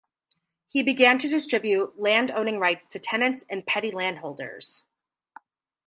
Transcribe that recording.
He began to distribute landowning rights to tenants and petty landholders.